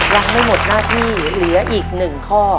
ยังไม่หมดหน้าที่เหลืออีก๑ข้อ